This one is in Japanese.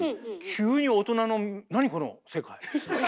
急に大人の「何この世界」。